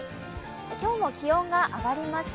今日も気温が上がりました。